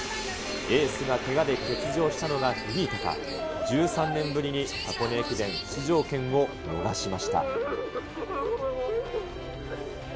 エースがけがで欠場したのが響いたか、１３年ぶりに箱根駅伝出場権を逃しました。